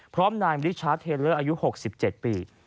พร้อมนายมริชาเทลเลอร์อายุ๖๗ปี